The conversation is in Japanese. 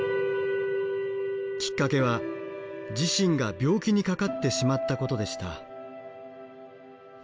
きっかけは自身が病気にかかってしまったことでした。